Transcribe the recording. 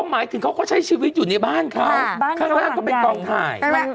หมายถึงเขาก็ใช้ชีวิตอยู่ในบ้านเขาข้างล่างก็เป็นกองถ่าย